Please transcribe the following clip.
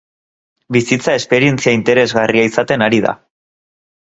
Bizitza esperientzia interesgarria izaten ari da.